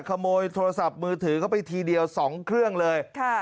ขโมยโทรศัพท์มือถือก็ไปทีเดียวสองเครื่องเลยค่ะ